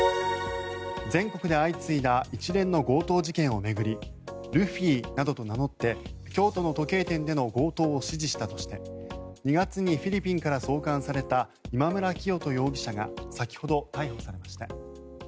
全国で相次いだ一連の強盗事件を巡りルフィなどと名乗って京都の時計店での強盗を指示したとして２月にフィリピンから送還された今村磨人容疑者が先ほど、逮捕されました。